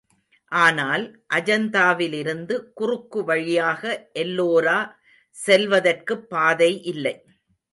ஆனால், அஜந்தாவிலிருந்து குறுக்கு வழியாக எல்லோரா செல்வதற்குப் பாதை இல்லை.